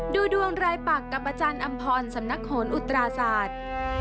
ดูดวงรายปักกับอาจารย์อำพรสำนักโหนอุตราศาสตร์